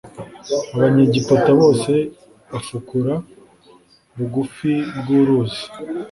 abanyegiputa bose bafukura bugufi bw’uruzi